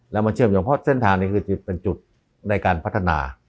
แล้วมาเชื่อมโยงเพราะเส้นทางนี้คือเป็นจุดในการพัฒนา